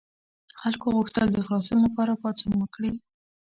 خلکو غوښتل د خلاصون لپاره پاڅون وکړي.